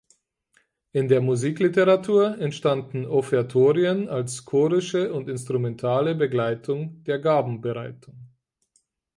In der Musikliteratur entstanden "Offertorien" als chorische oder instrumentale Begleitung der Gabenbereitung.